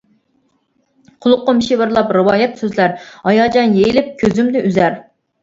قۇلىقىم شىۋىرلاپ رىۋايەت سۆزلەر، ھاياجان يېيىلىپ كۆزۈمدە ئۈزەر.